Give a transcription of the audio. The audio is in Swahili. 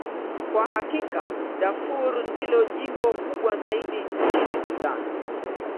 Kwa hakika, Darfur ndilo jimbo kubwa zaidi nchini Sudan.